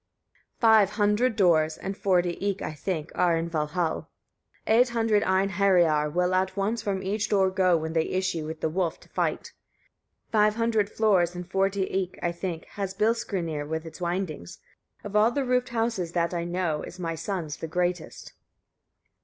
23. Five hundred doors, and forty eke, I think, are in Valhall. Eight hundred Einheriar will at once from each door go when they issue with the wolf to fight. 24. Five hundred floors, and forty eke, I think, has Bilskirnir with its windings. Of all the roofed houses that I know, is my son's the greatest.